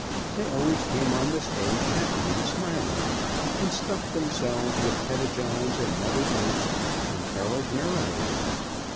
They always came on the stage happy and smiling, and stuffed themselves with Pettijohns and Mothers' Oats, and carolled merrily.